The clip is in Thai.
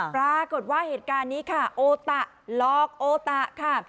ปรากฏว่าเหตุการณ์นี้ค่ะโอตะลอกโอตะค่ะ